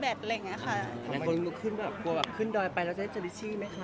เมื่อทั้งวันหนุ่มลนุกขึ้นมากกว่าแบบขึ้นดอยไปแล้วจะได้เสร็จที่มั้ยคะ